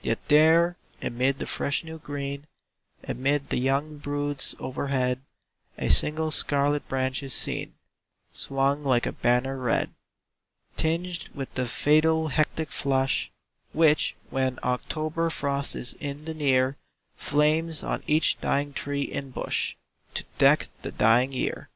Yet there amid the fresh new green, Amid the young broods overhead, A single scarlet branch is seen, Swung like a banner red; Tinged with the fatal hectic flush Which, when October frost is in the near, Flames on each dying tree and bush, To deck the dying year.